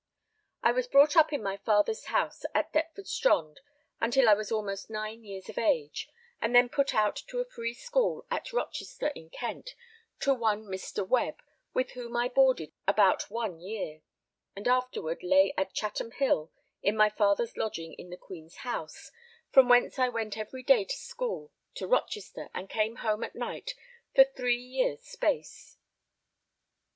I was brought up in my father's house at Deptford Strond until I was almost nine years of age, and then put out to a free school at Rochester in Kent, to one Mr. Webb, with whom I boarded about one year, and afterward lay at Chatham Hill in my father's lodging in the Queen's House, from whence I went every day to school to Rochester and came home at night for three years space.